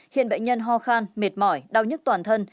khiến bệnh nhân ho khan mệt mỏi đau nhức toàn thân